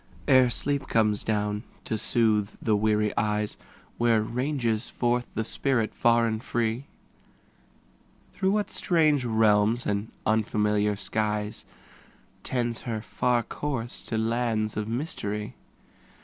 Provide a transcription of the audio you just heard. Ere sleep comes down to soothe the weary eyes, Where ranges forth the spirit far and free? Through what strange realms and unfamiliar skies. Tends her far course to lands of mystery?